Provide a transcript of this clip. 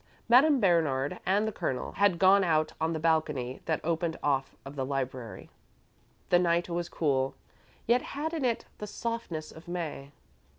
Madame Bernard and the Colonel had gone out on the balcony that opened off of the library. The night was cool, yet had in it the softness of May.